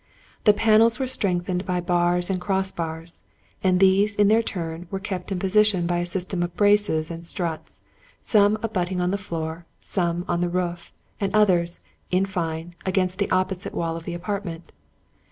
The panels were strengthened by bars and crossbars ; and these, in their turn, were kept in position by a system of braces and struts, some abutting on the floor, some on the roof, and others, in fine, against the opposite wall of the apartment.